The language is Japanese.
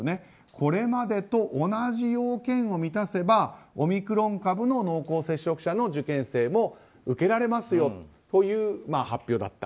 これまでと同じ要件を満たせばオミクロン株の濃厚接触者の受験生も受けられますよという発表だった。